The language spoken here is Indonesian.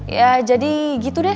ya jadi gitu deh